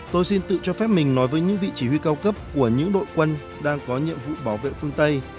tôi xin tự cho phép mình nói với những vị chỉ huy cao cấp của những đội quân đang có nhiệm vụ bảo vệ phương tây